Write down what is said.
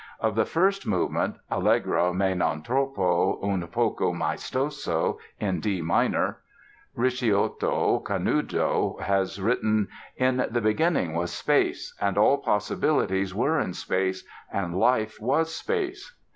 Of the first movement ("Allegro, ma non troppo, un poco maestoso," in D minor) Ricciotto Canudo has written: "In the beginning was space; and all possibilities were in space; and life was space."